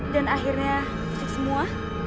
dan akhirnya busuk semua